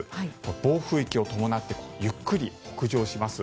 暴風域を伴ってゆっくり北上します。